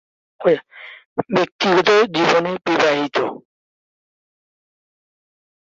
ব্যক্তিগত জীবনে বিবাহিত।